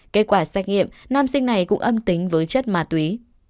kết quả xét nghiệm nam sinh này cũng âm tính với chất ma túy